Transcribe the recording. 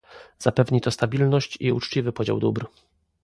Zapewni to stabilność i uczciwy podział dóbr